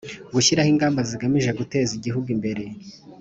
gushyiraho ingamba zigamije guteza igihuhu imbere